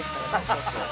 「そうそう。